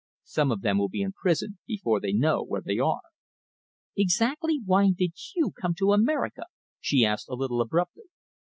Some of them will be in prison before they know where they are." "Exactly why did you come to America?" she asked, a little abruptly.